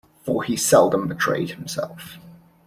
For he seldom betrayed himself.